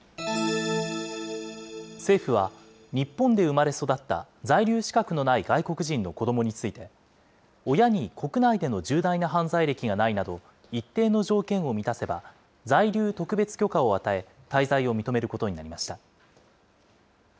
政府は、日本で生まれ育った在留資格のない外国人の子どもについて、親に国内での重大な犯罪歴がないなど、一定の条件を満たせば、在留特別許可を与え、滞在を認めることになりました。